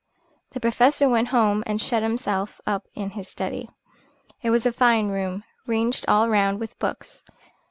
The Professor went straight home and shut himself up in his study. It was a fine room, ranged all round with books.